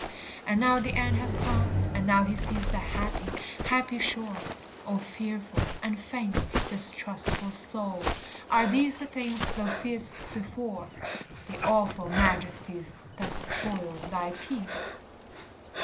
And now the end has come, and now he sees The happy, happy shore; O fearful, and faint, distrustful soul, are these The things thou fearedst before The awful majesties that spoiled thy peace?